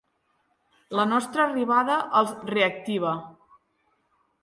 La nostra arribada els reactiva.